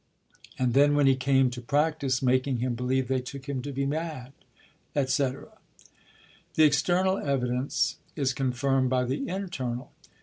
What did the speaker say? and then when he came to practise, making him believe they took him to be mad," &c. This external evidence is confirmd by the internal.